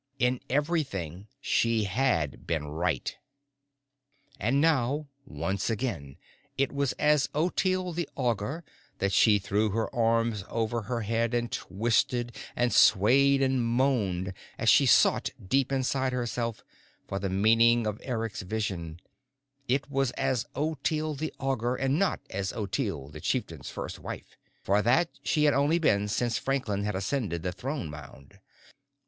In everything she had been right. And now, once again it was as Ottilie the Augur that she threw her arms over her head and twisted and swayed and moaned as she sought deep inside herself for the meaning of Eric's vision, it was as Ottilie the Augur and not as Ottilie the Chieftain's First Wife, for that she had been only since Franklin had ascended the Throne Mound.